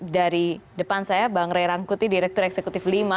dari depan saya bang ray rangkuti direktur eksekutif lima